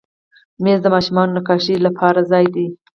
مېز د ماشومانو نقاشۍ لپاره ځای دی.